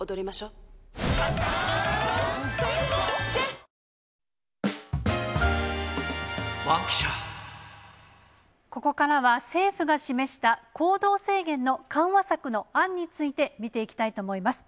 本当に個別の事情、それぞれここからは、政府が示した行動制限の緩和策の案について見ていきたいと思います。